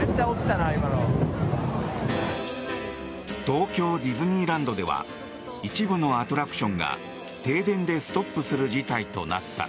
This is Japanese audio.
東京ディズニーランドでは一部のアトラクションが停電でストップする事態となった。